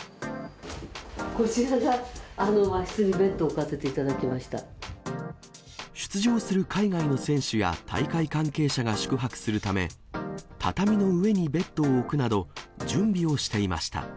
こちらが和室にベッドを置か出場する海外の選手や大会関係者が宿泊するため、畳の上にベッドを置くなど、準備をしていました。